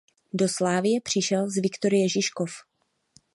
Do Slavie přišel z Viktorie Žižkov.